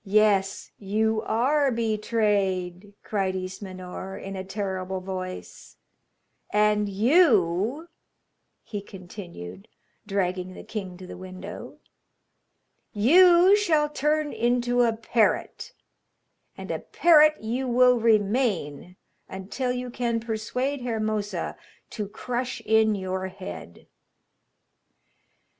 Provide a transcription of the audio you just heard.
'Yes, you are betrayed,' cried Ismenor, in a terrible voice; 'and you,' he continued, dragging the king to the window, 'you shall turn into a parrot, and a parrot you will remain until you can persuade Hermosa to crush in your head.'